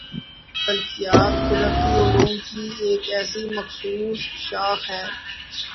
فلکیات قُدرتی علوم کی ایک ایسی مخصُوص شاخ ہے